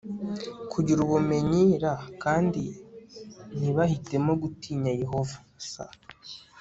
kugira ubumenyi r kandi ntibahitemo gutinya yehova s